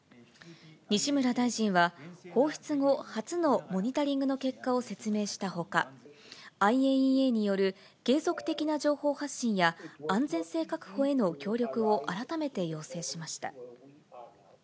西村大臣は、放出後初のモニタリングの結果を説明したほか、ＩＡＥＡによる継続的な情報発信や安全性確保への協力を改めて要請しました。